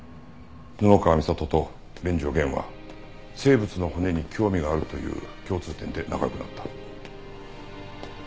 布川美里と連城源は生物の骨に興味があるという共通点で仲良くなった。